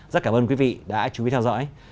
rất cảm ơn quý vị đã chú ý theo dõi